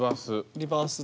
リバース。